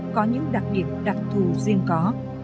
có những đặc điểm đặc thù riêng có